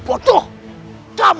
kamu jangan berani menghina aku